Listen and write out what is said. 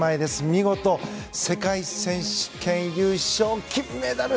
見事、世界選手権優勝金メダル！